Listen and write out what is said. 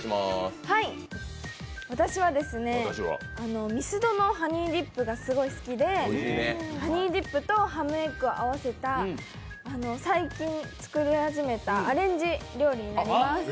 私はミスドのハニーディップがすごい好きでハニーディップとハムエッグを合わせた最近作り始めたアレンジ料理になります。